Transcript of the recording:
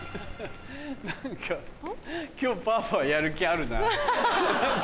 何か今日パーパーやる気あるな。